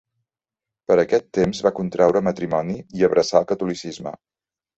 Per aquest temps va contraure matrimoni i abraçà el catolicisme.